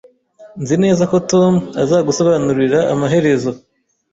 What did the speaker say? Nzi neza ko Tom azagusobanurira amaherezo